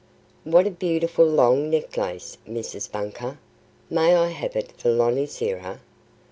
"WHAT a beautiful long necklace, Mrs. Bunker! May I have it for Lonicera?"